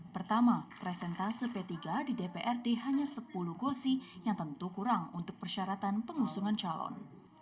pertama presentase p tiga di dprd hanya sepuluh kursi yang tentu kurang untuk persyaratan pengusungan calon